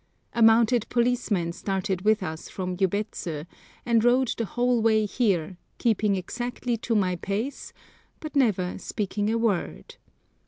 A mounted policeman started with us from Yubets, and rode the whole way here, keeping exactly to my pace, but never speaking a word.